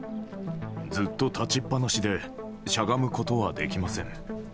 ずっと立ちっぱなしでしゃがむことはできません。